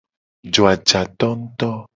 Jo ajato nguto.